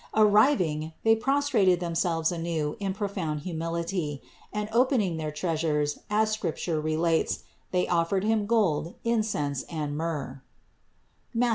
Ar riving they prostrated themselves anew in profound humility; and opening their treasures, as Scripture re lates, they offered Him gold, incense and myrrh (Matth.